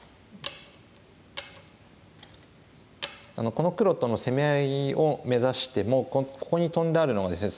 この黒との攻め合いを目指してもここにトンであるのがですね